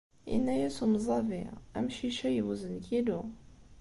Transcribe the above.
Inna-as umẓabi: Amcic-a yewzen kilu.